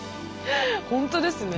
本当ですね。